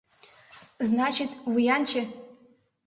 Значит, вуянче!..